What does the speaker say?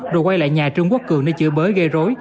rồi quay lại nhà trương quốc cường để chửi bới gây rối